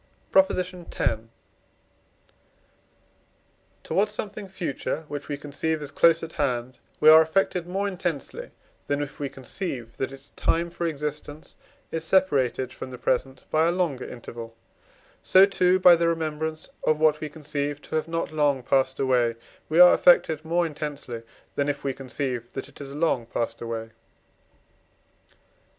PROP. X. Towards something future, which we conceive as close at hand, we are affected more intensely, than if we conceive that its time for existence is separated from the present by a longer interval; so too by the remembrance of what we conceive to have not long passed away we are affected more intensely, than if we conceive that it has long passed away.